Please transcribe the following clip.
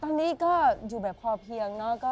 ตอนนี้ก็อยู่แบบพอเพียงเนอะ